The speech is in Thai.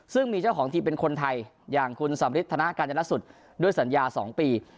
ซึ่งมีเจ้าของทีมเป็นคนไทยอย่างคุณสำริทธนาการจนสุดด้วยสัญญา๒ปี